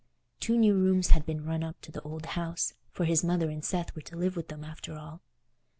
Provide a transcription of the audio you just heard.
Two new rooms had been "run up" to the old house, for his mother and Seth were to live with them after all.